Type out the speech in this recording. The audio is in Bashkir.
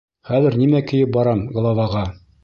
Хәҙер нимә кейеп барам главаға?